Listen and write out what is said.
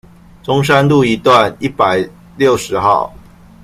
中山路一段一百六十號